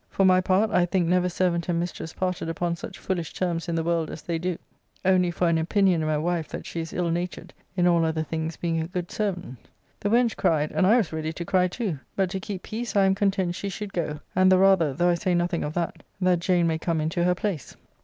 For my part I think never servant and mistress parted upon such foolish terms in the world as they do, only for an opinion in my wife that she is ill natured, in all other things being a good servant. The wench cried, and I was ready to cry too, but to keep peace I am content she should go, and the rather, though I say nothing of that, that Jane may come into her place.